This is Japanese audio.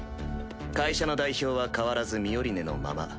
会社の代表は変わらずミオリネのまま。